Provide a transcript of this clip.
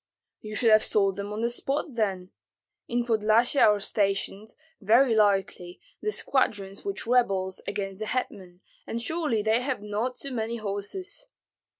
"You should have sold them on the spot, then. In Podlyasye are stationed, very likely, the squadrons which rebelled against the hetman, and surely they have not too many horses."